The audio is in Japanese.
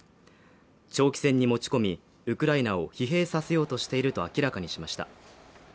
長期戦に持ち込み、ウクライナを疲弊させようとしていると明らかにしました。